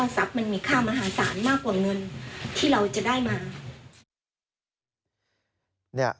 ทรัพย์มันมีค่ามหาศาลมากกว่าเงินที่เราจะได้มา